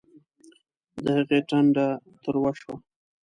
د هغې ټنډه تروه شوه